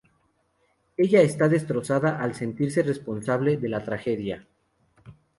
Ella está destrozada al sentirse responsable de la tragedia.